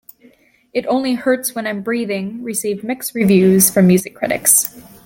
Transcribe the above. "It Only Hurts When I'm Breathing" received mixed reviews from music critics.